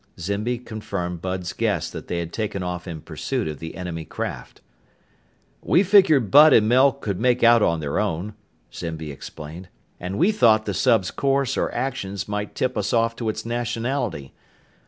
Zimby confirmed Bud's guess that they had taken off in pursuit of the enemy craft. "We figured Bud and Mel could make out on their own," Zimby explained. "And we thought the sub's course or actions might tip us off to its nationality.